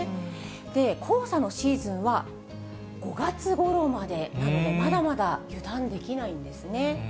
で、黄砂のシーズンは、５月ごろまでなので、まだまだ油断できないんですね。